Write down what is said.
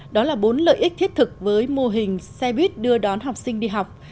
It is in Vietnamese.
đó là bốn lợi ích thiết thực với mô hình xe buýt đưa đón học sinh đi học